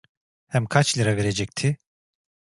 Hem kaç lira verecekti?